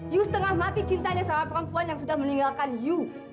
you setengah mati cintanya seorang perempuan yang sudah meninggalkan yu